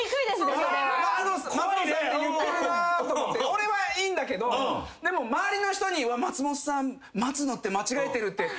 俺はいいんだけどでも周りの人に「松本さんマツノって間違えてる」って思われるのが嫌だから。